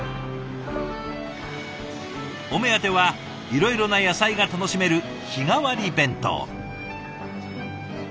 お目当てはいろいろな野菜が楽しめる日替わり弁当。